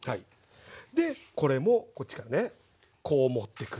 でこれもこっちからねこう持ってくる。